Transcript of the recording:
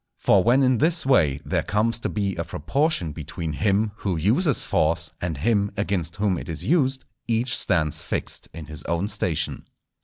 For when in this way there comes to be a proportion between him who uses force and him against whom it is used, each stands fixed in his own station.